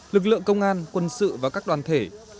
lực lượng công an quân sự và các đoàn thể